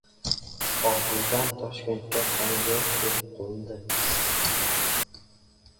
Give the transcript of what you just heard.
Qobuldan Toshkentga samolyot kelib qo‘ndi